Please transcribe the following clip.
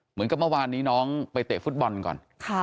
เหมือนกับเมื่อวานนี้น้องไปเตะฟุตบอลก่อน